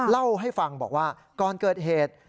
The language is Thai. เล่าให้ฟังบอกว่าก่อนเกิดเหตุ